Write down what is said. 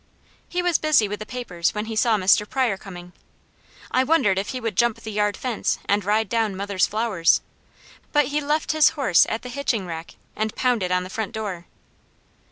He was busy with the papers when he saw Mr. Pryor coming. I wondered if he would jump the yard fence and ride down mother's flowers, but he left his horse at the hitching rack, and pounded on the front door.